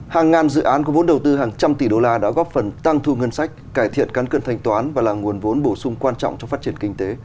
hàng ngàn dự án có vốn đầu tư hàng trăm tỷ đô la đã góp phần tăng thu ngân sách cải thiện cán cân thanh toán và là nguồn vốn bổ sung quan trọng cho phát triển kinh tế